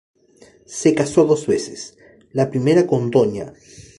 Se casó dos veces: La primera con Dña.